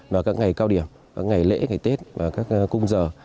vào các ngày cao điểm các ngày lễ ngày tết và các cung giờ